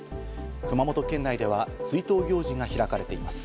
熊本県内では追悼行事が開かれています。